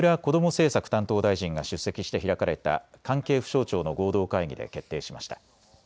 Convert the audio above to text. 政策担当大臣が出席して開かれた関係府省庁の合同会議で決定しました。